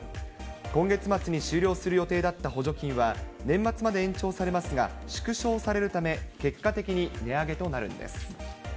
今月末に終了する予定だった補助金は、年末まで延長されますが、縮小されるため、結果的に値上げとなるんです。